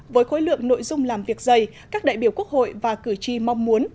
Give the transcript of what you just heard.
với khối lượng nội dung làm việc dày các đại biểu quốc hội và cử tri mong muốn